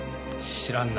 知らんな。